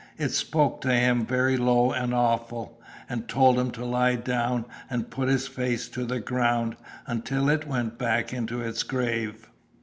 It spoke to him 'very low and awful,' and told him to lie down and put his face to the ground until it went back into its grave.